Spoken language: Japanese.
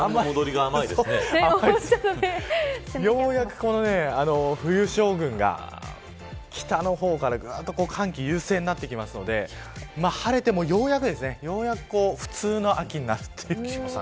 ようやく冬将軍が北の方から寒気優勢になってくるので晴れてもようやく普通の秋になってきます。